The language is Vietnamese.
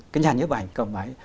cái nhà nhấp ảnh cầm máy